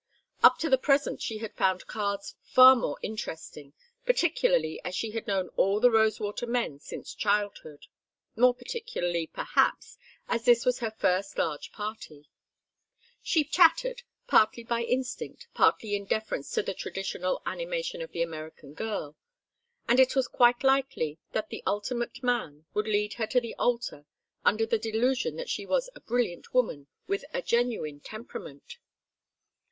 Up to the present she had found cards far more interesting, particularly as she had known all the Rosewater men since childhood; more particularly, perhaps, as this was her first large party. She chattered, partly by instinct, partly in deference to the traditional animation of the American girl; and it was quite likely that the ultimate man would lead her to the altar under the delusion that she was a brilliant woman with a genuine temperament.